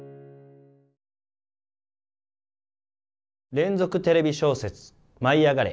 連続テレビ小説「舞いあがれ！」